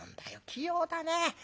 器用だねえ。